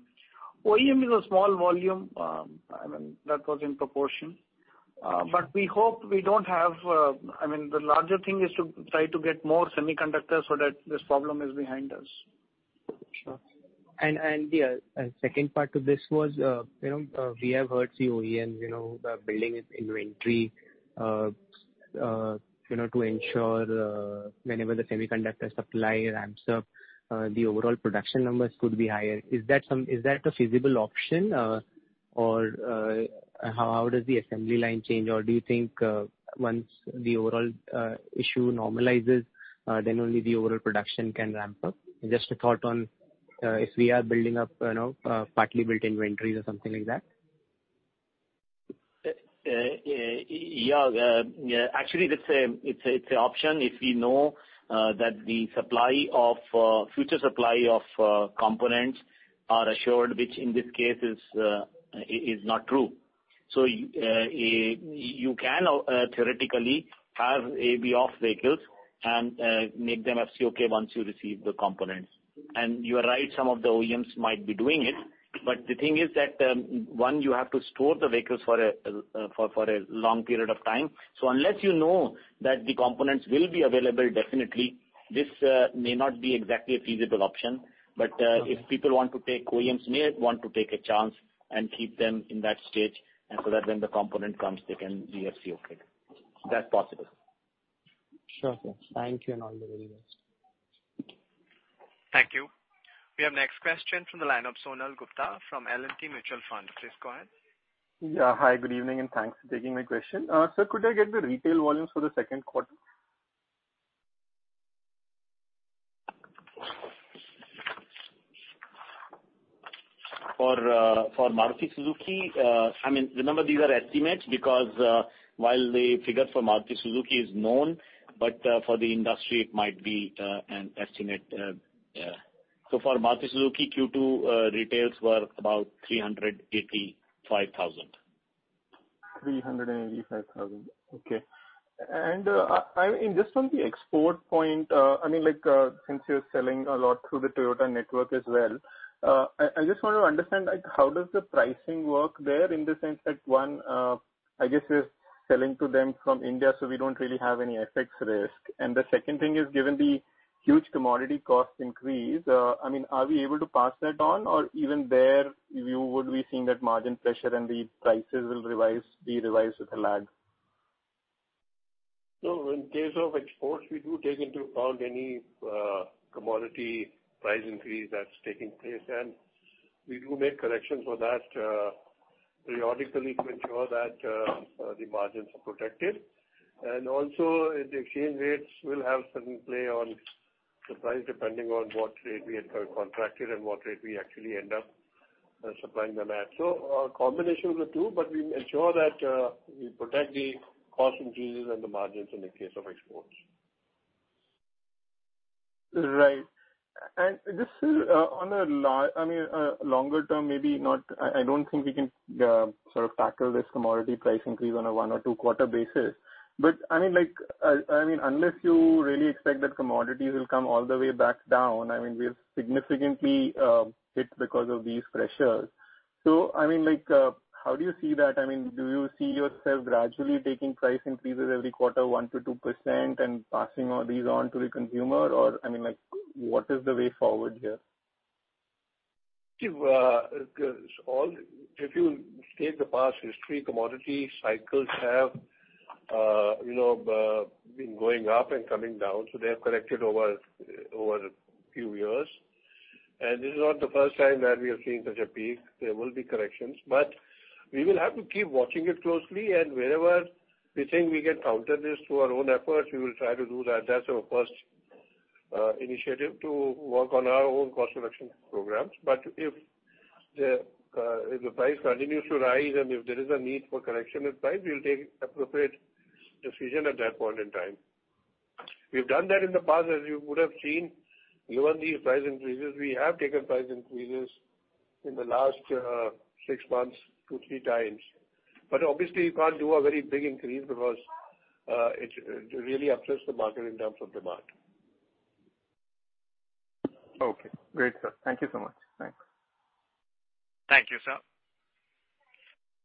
OEM is a small volume, I mean, that was in proportion. We hope we don't have. I mean, the larger thing is to try to get more semiconductors so that this problem is behind us. Sure. Yeah, second part to this was, you know, we have heard the OEMs, you know, they are building its inventory, you know, to ensure, whenever the semiconductor supply ramps up, the overall production numbers could be higher. Is that a feasible option? Or, how does the assembly line change? Or do you think, once the overall issue normalizes, then only the overall production can ramp up? Just a thought on, if we are building up, you know, partly built inventories or something like that. Actually that's an option if we know that the supply of future supply of components are assured, which in this case is not true. You can theoretically have ABOF vehicles and make them FCOK once you receive the components. You are right, some of the OEMs might be doing it. The thing is that one, you have to store the vehicles for a long period of time. Unless you know that the components will be available definitely, this may not be exactly a feasible option. OEMs may want to take a chance and keep them in that state so that when the component comes they can be FCOKed. That's possible. Sure, sir. Thank you and all the very best. Thank you. We have next question from the line of Sonal Gupta from L&T Mutual Fund. Please go ahead. Yeah. Hi, good evening and thanks for taking my question. Sir, could I get the retail volumes for the second quarter? For Maruti Suzuki, I mean, remember these are estimates because while the figure for Maruti Suzuki is known, but for the industry it might be an estimate. Yeah. For Maruti Suzuki, Q2, retails were about 385,000. 385,000. Okay. I mean, just from the export point, I mean like, since you're selling a lot through the Toyota network as well, I just want to understand, like, how does the pricing work there in the sense that, one, I guess you're selling to them from India, so we don't really have any FX risk. The second thing is given the huge commodity cost increase, I mean, are we able to pass that on? Or even there you would be seeing that margin pressure and the prices will be revised with a lag. No, in case of exports, we do take into account any commodity price increase that's taking place, and we do make corrections for that periodically to ensure that the margins are protected. Also the exchange rates will have certain play on the price, depending on what rate we had contracted and what rate we actually end up supplying them at. A combination of the two, but we ensure that we protect the cost increases and the margins in the case of exports. Right. Just on a longer term, maybe not. I don't think we can sort of tackle this commodity price increase on a one- or two-quarter basis. I mean, like, unless you really expect that commodities will come all the way back down, I mean, we're significantly hit because of these pressures. I mean, like, how do you see that? I mean, do you see yourself gradually taking price increases every quarter 1%-2% and passing all these on to the consumer? Or, I mean, like, what is the way forward here? If you take the past history, commodity cycles have, you know, been going up and coming down, so they have corrected over a few years. This is not the first time that we are seeing such a peak. There will be corrections. We will have to keep watching it closely and wherever we think we can counter this through our own efforts, we will try to do that. That's our first initiative to work on our own cost reduction programs. If the price continues to rise and if there is a need for correction of price, we'll take appropriate decision at that point in time. We've done that in the past, as you would have seen. Given these price increases, we have taken price increases in the last six months 2x-3x. Obviously you can't do a very big increase because it really upsets the market in terms of demand. Okay. Great, sir. Thank you so much. Thanks. Thank you, sir.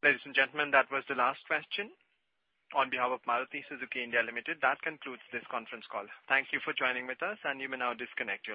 Ladies and gentlemen, that was the last question. On behalf of Maruti Suzuki India Limited, that concludes this conference call. Thank you for joining with us and you may now disconnect.